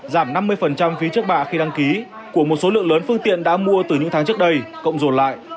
giảm năm mươi phí trước bạ khi đăng ký của một số lượng lớn phương tiện đã mua từ những tháng trước đây cộng dồn lại